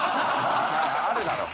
あるだろ。